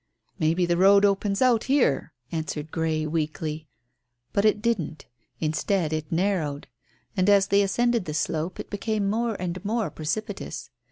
"Maybe the road opens out here," answered Grey weakly. But it didn't. Instead it narrowed. And as they ascended the slope it became more and more precipitous.